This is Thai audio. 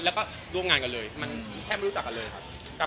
แล้วก็ร่วมงานกันเลยมันแทบไม่รู้จักกันเลยครับ